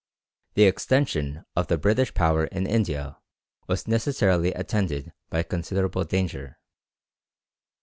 The extension of the British power in India was necessarily attended by considerable danger.